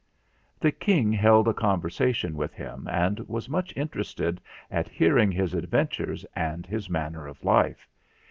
The King held a conversation with him, and was much interested at hearing his adventures and his manner of life.